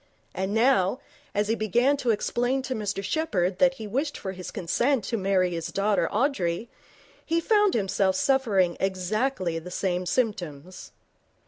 And now, as he began to explain to Mr Sheppherd that he wished for his consent to marry his daughter Audrey, he found himself suffering exactly the same symptoms.